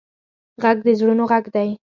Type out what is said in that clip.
غږ د زړونو غږ دی